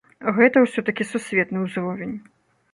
Гэта ўсё-такі сусветны ўзровень.